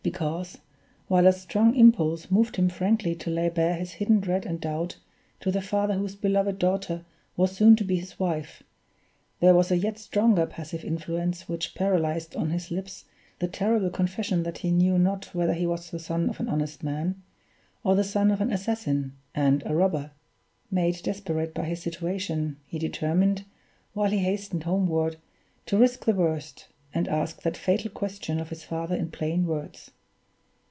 Because, while a strong impulse moved him frankly to lay bare his hidden dread and doubt to the father whose beloved daughter was soon to be his wife, there was a yet stronger passive influence which paralyzed on his lips the terrible confession that he knew not whether he was the son of an honest man, or the son of an assassin, and a robber. Made desperate by his situation, he determined, while he hastened homeward, to risk the worst, and ask that fatal question of his father in plain words.